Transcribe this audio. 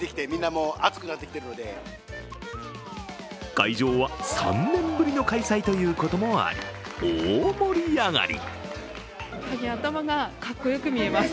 会場は３年ぶりの開催ということもあり、大盛り上がり。